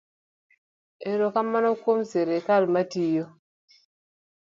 Erokamano kuom sirikal matiyo.